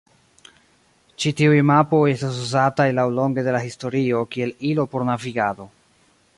Ĉi tiuj mapoj estis uzataj laŭlonge de la historio kiel ilo por navigado.